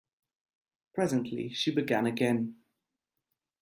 Presently she began again.